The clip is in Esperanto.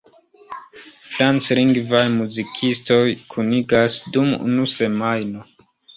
Franclingvaj muzikistoj kunigas dum unu semajno.